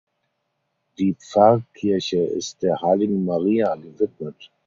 Die Pfarrkirche ist der Heiligen Maria gewidmet.